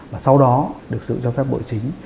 và sau đó được sự cho phép bộ chính